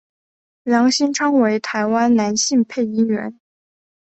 梁兴昌为台湾男性配音员。